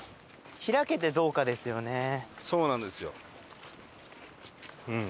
そうなんですよ。